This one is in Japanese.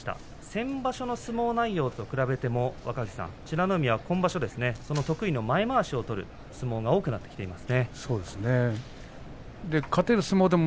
先場所の相撲内容と比べても若藤さん、美ノ海は得意の前まわしを取る相撲が多くなっています。